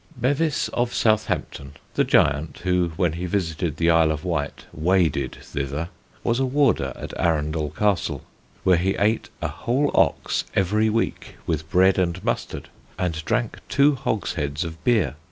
Bevis of Southampton, the giant who, when he visited the Isle of Wight, waded thither, was a warder at Arundel Castle; where he ate a whole ox every week with bread and mustard, and drank two hogsheads of beer.